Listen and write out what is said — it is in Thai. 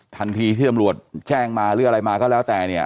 ทันทีที่ตำรวจแจ้งมาหรืออะไรมาก็แล้วแต่เนี่ย